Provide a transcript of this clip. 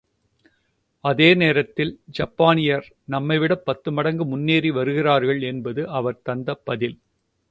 அதே நேரத்தில் ஜப்பானியர் நம்மை விடப் பத்து மடங்கு முன்னேறி வருகிறார்கள் என்பது அவர் தந்த பதில்.